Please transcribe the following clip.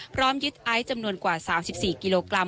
พร้อมยึดไอซ์จำนวนกว่า๓๔กิโลกรัม